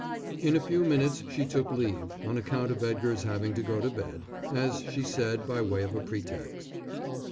In a few minutes she took leave, on account of Edgar's having to go to bed, as she said by way of a pretext.